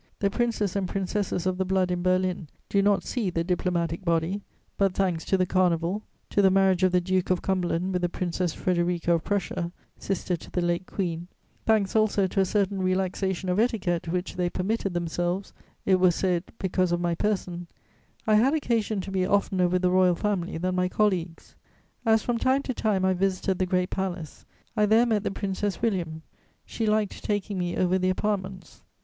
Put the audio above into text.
the Princes and Princesses of the Blood in Berlin do not see the diplomatic body; but, thanks to the carnival, to the marriage of the Duke of Cumberland with the Princess Frederica of Prussia, sister to the late Queen, thanks also to a certain relaxation of etiquette which they permitted themselves, it was said, because of my person, I had occasion to be oftener with the Royal Family than my colleagues. As from time to time I visited the Great Palace, I there met the Princess William: she liked taking me over the apartments.